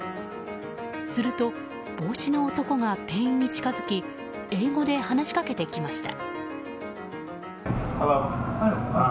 すると、帽子の男が店員に近づき英語で話しかけてきました。